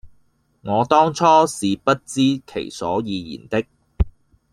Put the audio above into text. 我當初是不知其所以然的；